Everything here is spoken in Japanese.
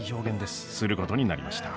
することになりました。